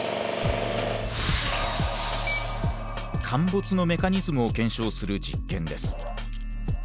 陥没のメカニズムを検証する実験です。